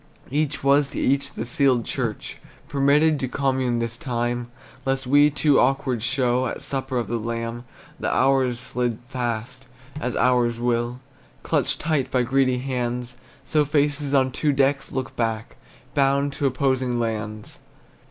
Each was to each the sealed church, Permitted to commune this time, Lest we too awkward show At supper of the Lamb. The hours slid fast, as hours will, Clutched tight by greedy hands; So faces on two decks look back, Bound to opposing lands.